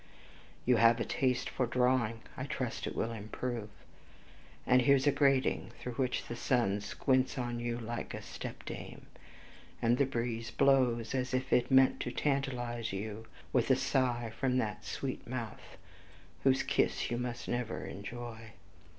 You have a taste for drawing I trust it will improve. And here's a grating, through which the sun squints on you like a stepdame, and the breeze blows, as if it meant to tantalize you with a sigh from that sweet mouth, whose kiss you must never enjoy.